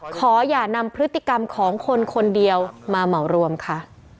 ขออย่านำพฤติกรรมของคนคนเดียวมาเหมารวมค่ะ